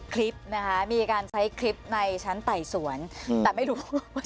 คลิปนะคะมีการใช้คลิปในชั้นไต่สวนแต่ไม่รู้ว่า